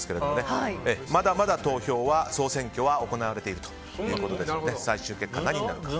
まだまだ投票は総選挙は行われているということで最終結果が何になるのか。